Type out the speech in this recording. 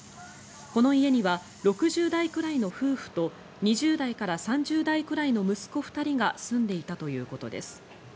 この家には６０代くらいの夫婦と２０代から３０代くらいの息子２人が住んでいたということです。